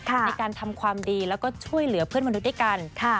ในการทำความดีแล้วก็ช่วยเหลือเพื่อนมนุษย์ด้วยกัน